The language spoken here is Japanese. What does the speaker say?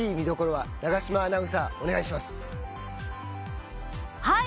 はい。